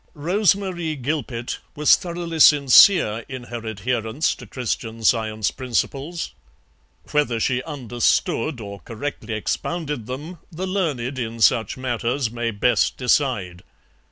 Rose Marie Gilpet was thoroughly sincere in her adherence to Christian Science principles; whether she understood or correctly expounded them the learned in such matters may best decide.